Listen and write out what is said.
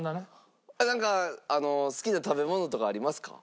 なんか好きな食べ物とかありますか？